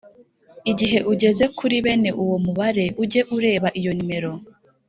Igihe ugeze kuri bene uwo mubare, ujye ureba iyo numero